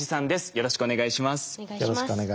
よろしくお願いします。